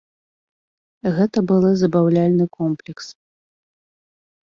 Гэта былы забаўляльны комплекс.